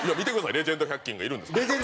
レジェンド１００均がいるんです。